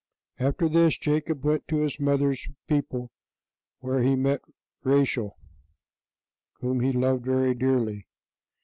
After this Jacob went to his mother's people, where he met Rachel, whom he loved very dearly.